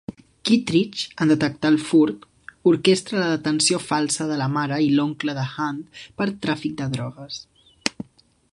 Kittridge, en detectar el furt, orquestra la detenció falsa de la mare i l'oncle de Hunt per tràfic de drogues.